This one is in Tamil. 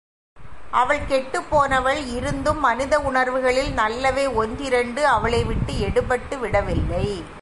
அவள் கெட்டுப்போனவள்! இருந்தும் மனித உணர்வுகளில் நல்லவை ஒன்றிரண்டு அவளைவிட்டு எடுபட்டுவிடவில்லை.